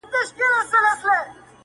هر انسان د پرمختګ توان لري.